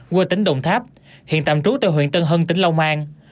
quê tính đồng tháp hiện tạm trú tại huyện tân hưng tỉnh long an